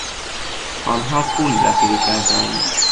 آنان پول ذخیره کردهاند.